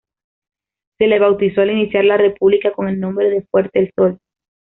Se le bautizó al iniciar la República con el nombre de "Fuerte El Sol".